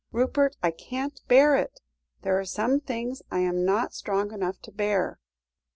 "Rupert, I can't bear it; there are some things I am not strong enough to bear."